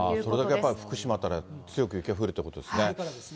それだけ福島辺りは強く雪が降るということですね。